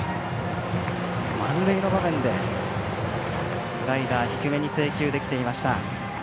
満塁の場面でスライダー、低めに制球できていました。